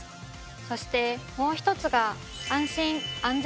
そしてもう１つが。